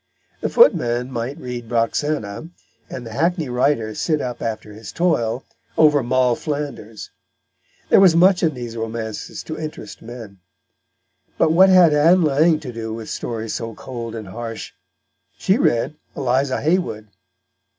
The footman might read Roxana, and the hackney writer sit up after his toil over Moll Flanders; there was much in these romances to interest men. But what had Ann Lang to do with stories so cold and harsh? She read Eliza Haywood.